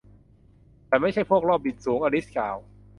ฉันไม่ใช่พวกรอบบินสูง อลิซกล่าว